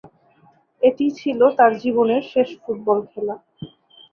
এটিই ছিল তার জীবনের শেষ ফুটবল খেলা।